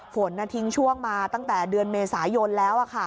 ฝนทิ้งช่วงมาตั้งแต่เดือนเมษายนแล้ว